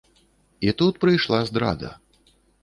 І тут прыйшла здрада.